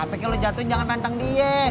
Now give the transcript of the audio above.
apa yang lo jatuhin jangan rantang dia